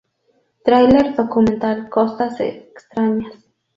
Tráiler documental Costas Extrañas